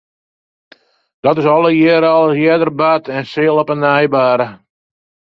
Dat is allegearre al ris earder bard en it sil op 'e nij barre.